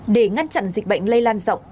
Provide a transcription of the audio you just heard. để ngăn chặn dịch bệnh lây lan rộng